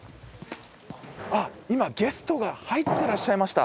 あっ今ゲストが入ってらっしゃいました。